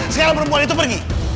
sekarang perempuan itu pergi